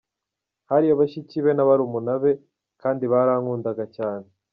Hariyo bashiki be na barumuna be kandi barankundaga cyane.